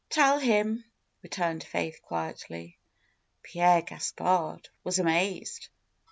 "Tell him," returned Faith quietly. Pierre Gaspard was amazed.